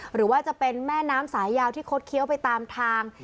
หรือว่าจะเป็นแม่น้ำสายยาวที่คดเคี้ยวไปตามทาง